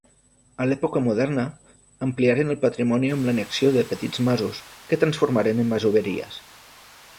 A l'època moderna ampliaren el patrimoni amb l'annexió de petits masos que transformaren en masoveries.